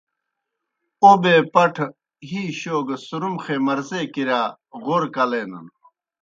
اوْبے پٹھہ ہِی شو گہ سُرُمخےمرضے کِرِیا غورہ کلینَن۔